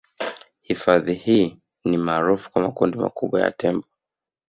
Hifadhi hii ni maarufu kwa makundi makubwa ya tembo